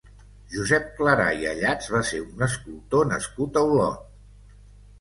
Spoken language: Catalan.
Josep Clarà i Ayats va ser un escultor nascut a Olot.